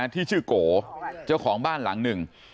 ที่ชื่อโกเจ้าของบ้านหลังหนึ่ง